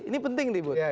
ini penting nih bud